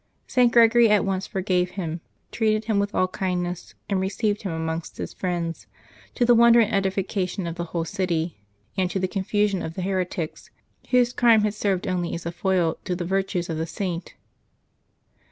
St. Gregory at once forgave him, treated him with all kindness, and received him amongst his friends, to the wonder and edification of the whole city, and to the confusion of the heretics, whose crime had served only as a foil to the virtue of the Saint.